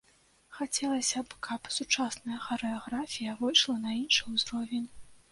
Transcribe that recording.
Хацелася б, каб сучасная харэаграфія выйшла на іншы ўзровень.